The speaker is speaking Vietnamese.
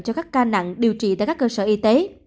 cho các ca nặng điều trị tại các cơ sở y tế